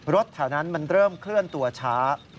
รถแถวนั้นมันเริ่มเคลื่อนตัวช้า